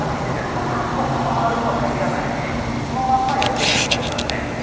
その単語がそのままあるとは限らないしそのまんまやっても意味が通じないです。